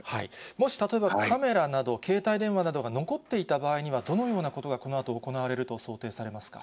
もし、例えばカメラや携帯電話などが残っていた場合には、どのようなことがこのあと行われると想定されますか？